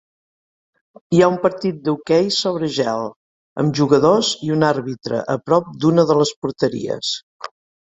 Hi ha un partir de hoquei sobre gel, amb jugadors i un arbitre a prop d'una de les porteries.